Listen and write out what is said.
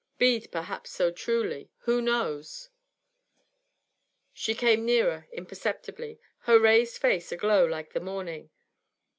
Bead perhaps so truly; who knows? She came nearer, imperceptibly, her raised face aglow like the morning.